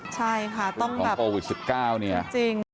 ใช่ค่ะต้องแบบเจอคุณค่ะจริง